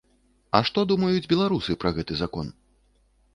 А што думаюць беларусы пра гэты закон?